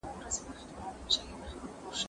کېدای سي ونه وچه سي؟